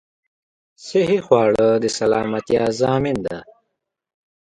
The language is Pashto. صحې خواړه د سلامتيا ضامن ده